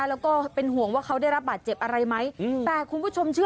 แล้วก็เป็นห่วงว่าเขาได้รับบาดเจ็บอะไรไหม